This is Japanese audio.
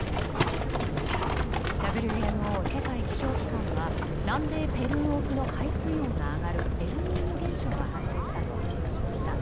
ＷＭＯ・世界気象機関は南米ペルー沖の海水温が上がるエルニーニョ現象が発生したと発表しました。